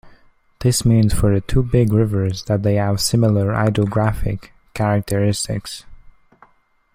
This means for the two big rivers that they have very similar hydrographic characteristics.